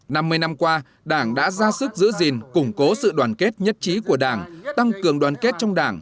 năm mươi năm qua đảng đã ra sức giữ gìn củng cố sự đoàn kết nhất trí của đảng tăng cường đoàn kết trong đảng